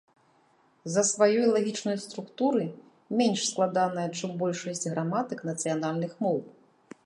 З-за сваёй лагічнай структуры менш складаная, чым большасць граматык нацыянальных моў.